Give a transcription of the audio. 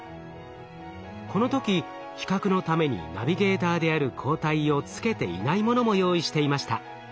この時比較のためにナビゲーターである抗体をつけていないものも用意していました。